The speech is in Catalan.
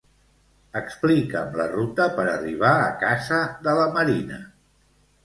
Explica'm la ruta per arribar a casa de la Marina.